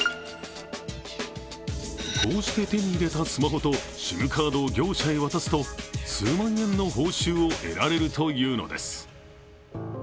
こうして手に入れたスマホとＳＩＭカードを業者に渡すと数万円の報酬を得られるというのです。